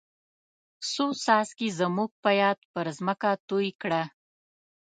څو څاڅکي زموږ په یاد پر ځمکه توی کړه.